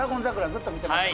ずっと見てました